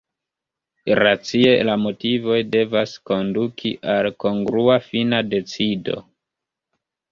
Racie la motivoj devas konduki al kongrua fina decido.